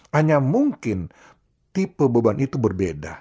hanya mungkin tipe beban itu berbeda